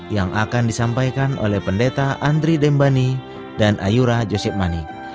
yang akan disampaikan oleh pendeta andri dembani dan ayura joseph mani